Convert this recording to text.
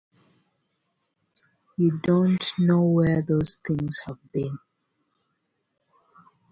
You don’t know where those things have been.